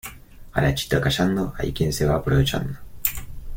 A la chita callando, hay quien se va aprovechando.